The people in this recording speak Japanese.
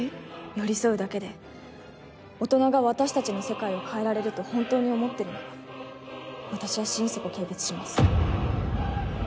寄り添うだけで大人が私たちの世界を変えられると本当に思ってるなら私は心底軽蔑します。